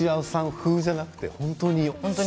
風じゃなくて本当に？